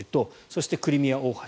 そして、クリミア大橋。